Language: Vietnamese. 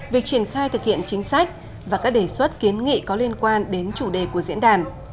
việc triển khai thực hiện chính sách và các đề xuất kiến nghị có liên quan đến chủ đề của diễn đàn